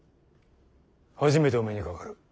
初めてお目にかかる。